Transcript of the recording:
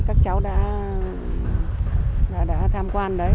các cháu đã tham quan đấy